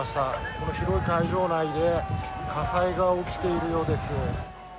この広い会場内で火災が起きているようです。